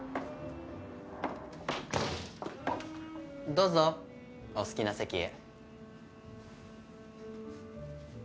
どうぞお好きな席へ。